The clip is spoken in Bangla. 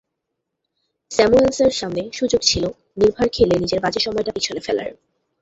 স্যামুয়েলসের সামনে সুযোগ ছিল, নির্ভার খেলে নিজের বাজে সময়টা পেছনে ফেলার।